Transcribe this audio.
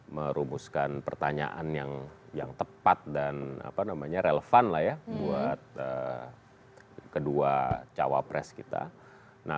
merumuskan pertanyaan yang tepat dan relevan lah ya buat kedua cawapres kita